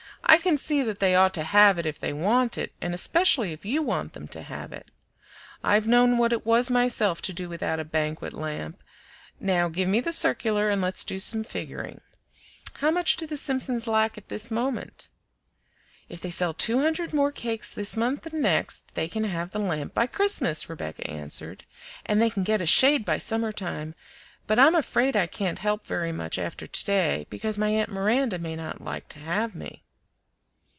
"I can see that they ought to have it if they want it, and especially if you want them to have it. I've known what it was myself to do without a banquet lamp. Now give me the circular, and let's do some figuring. How much do the Simpsons lack at this moment?" "If they sell two hundred more cakes this month and next, they can have the lamp by Christmas," Rebecca answered, "and they can get a shade by summer time; but I'm afraid I can't help very much after to day, because my aunt Miranda may not like to have me."